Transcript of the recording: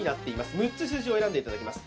６つ数字を選んでいただきます。